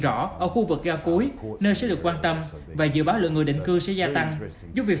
rõ ở khu vực ga cuối nên sẽ được quan tâm và dự báo lượng người định cư sẽ gia tăng giúp việc